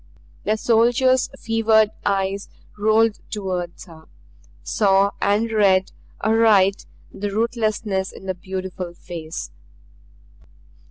The soldier's fevered eyes rolled toward her, saw and read aright the ruthlessness in the beautiful face.